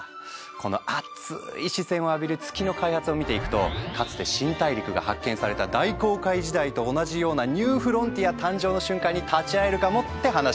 このあっつい視線を浴びる月の開発を見ていくとかつて新大陸が発見された大航海時代と同じようなニューフロンティア誕生の瞬間に立ち会えるかもって話なのよ。